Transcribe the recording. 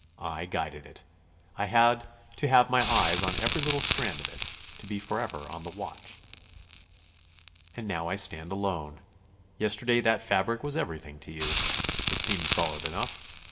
I guided it. I had to have my eyes on every little strand of it; to be forever on the watch." "And now I stand alone. Yesterday that fabric was everything to you; it seemed solid enough.